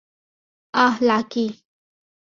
আহ, lucky.